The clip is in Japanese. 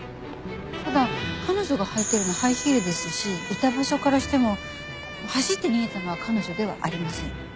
ただ彼女が履いてるのはハイヒールですしいた場所からしても走って逃げたのは彼女ではありません。